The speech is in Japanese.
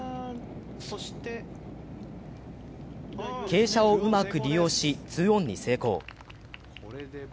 傾斜をうまく利用し、２オンに成功。